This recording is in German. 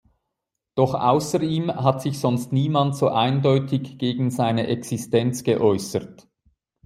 Doch außer ihm hat sich sonst niemand so eindeutig gegen seine Existenz geäußert.